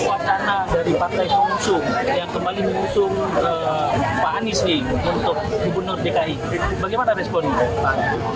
wacana dari partai hongsung yang kembali mengusung pak anies untuk gubernur dki bagaimana respon